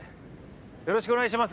よろしくお願いします。